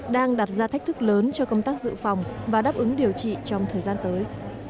đang đặt ra thách thức lớn cho công tác dự phòng và đáp ứng điều trị trong thời gian tới